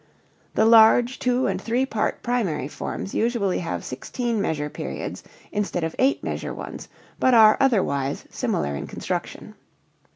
The large two and three part primary forms usually have sixteen measure periods instead of eight measure ones, but are otherwise similar in construction.